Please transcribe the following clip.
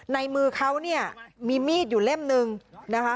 ในมือเขาเนี่ยมีมีดอยู่เล่มนึงนะคะ